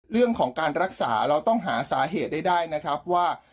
เรื่องของการรักษาเราต้องหาสาเหตุให้ได้นะครับว่า